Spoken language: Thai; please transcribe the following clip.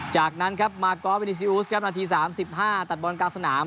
จากนั้นครับมากอสวินิซีอูสครับนาที๓๕ตัดบอลกลางสนาม